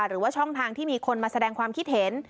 หรือว่าช่องทางที่มีคนมาแสดงความคิดเห็น